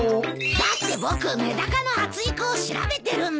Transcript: だって僕メダカの発育を調べてるんだ。